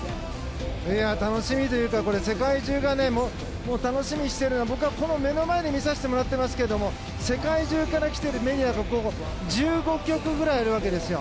楽しみというか世界中が楽しみにしているのを僕は、目の前で見させてもらっていますけど世界中からきているメディアが１５局くらいあるわけですよ。